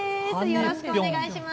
よろしくお願いします。